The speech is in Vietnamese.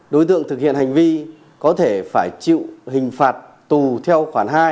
đối tượng thực hiện hành vi có thể phải chịu hình phạt tù theo khoản hai